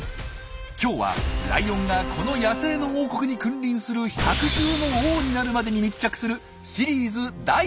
今日はライオンがこの野生の王国に君臨する百獣の王になるまでに密着するシリーズ第３弾です。